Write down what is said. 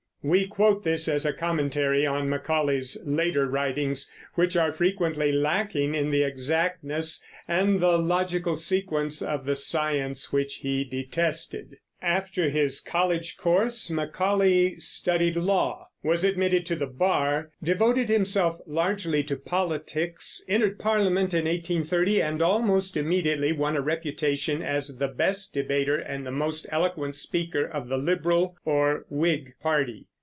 We quote this as a commentary on Macaulay's later writings, which are frequently lacking in the exactness and the logical sequence of the science which he detested. After his college course Macaulay studied law, was admitted to the bar, devoted himself largely to politics, entered Parliament in 1830, and almost immediately won a reputation as the best debater and the most eloquent speaker, of the Liberal or Whig party.